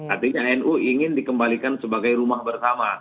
artinya nu ingin dikembalikan sebagai rumah bersama